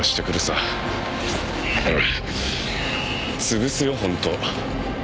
潰すよ本当。